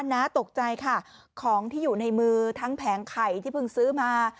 น้าตกใจค่ะของที่อยู่ในมือทั้งแผงไข่ที่เพิ่งซื้อมา